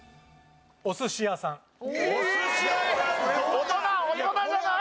大人大人じゃない？